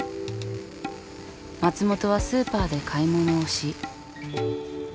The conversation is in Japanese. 松本はスーパーで買い物をし。